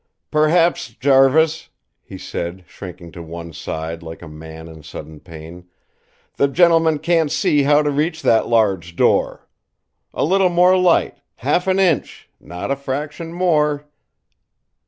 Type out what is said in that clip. "Perhaps, Jarvis," he said, shrinking to one side like a man in sudden pain, "the gentleman can't see how to reach that large door. A little more light, half an inch not a fraction more!"